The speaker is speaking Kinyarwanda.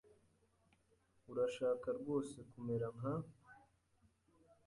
Urashaka rwose kumera nka ?